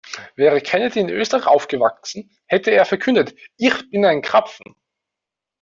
Wäre Kennedy in Österreich aufgewachsen, hätte er verkündet: Ich bin ein Krapfen!